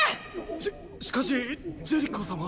ししかしジェリコ様。